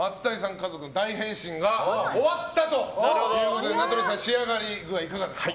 家族の大変身が終わったということで名取さん仕上がりいかがですか。